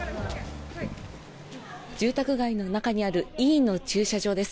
住宅街の中にある医院の駐車場です。